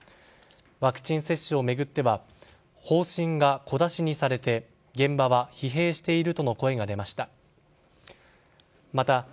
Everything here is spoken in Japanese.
ワクチン接種を巡っては方針が小出しにされて現場は疲弊しているとの声が出ました。